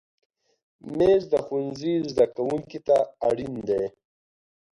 مېز د ښوونځي زده کوونکي ته اړین دی.